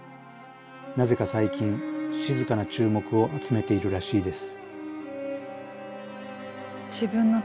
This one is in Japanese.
なぜか最近静かな注目を集めているらしいです